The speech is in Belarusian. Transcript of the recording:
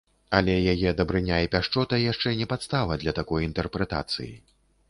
Але яе дабрыня і пяшчота яшчэ не падстава для такой інтэрпрэтацыі.